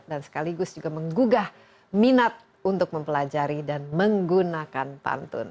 dan sekaligus juga menggugah minat untuk mempelajari dan menggunakan pantun